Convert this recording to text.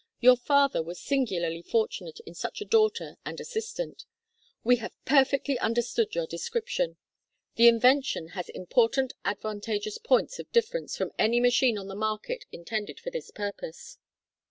"Your father was singularly fortunate in such a daughter and assistant. We have perfectly understood your description. The invention has important advantageous points of difference from any machine on the market intended for this purpose.